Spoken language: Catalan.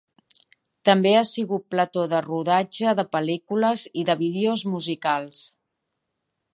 També ha sigut plató de rodatge de pel·lícules i de vídeos musicals.